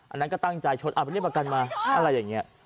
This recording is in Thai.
อันนั้นก็ตั้งใจชนอันนี้ประกันมาอะไรอย่างเงี้ย